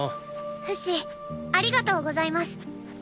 フシありがとうございます！